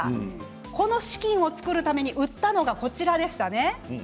この軍資金を作るために売ったのがこちらでしたね。